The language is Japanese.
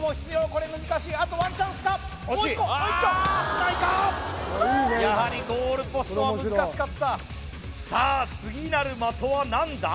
これ難しいあとワンチャンスかもう一個もう一丁ないかやはりゴールポストは難しかったさあ次なる的は何だ？